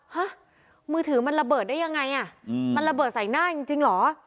ฮะมือถือมันระเบิดได้ยังไงอ่ะมันระเบิดใส่หน้าจริงเหรอ